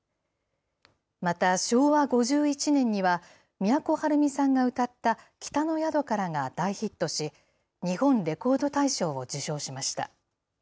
また昭和５１年には、都はるみさんが歌った、北の宿からが大ヒットし、日本レコード大賞を受賞しました。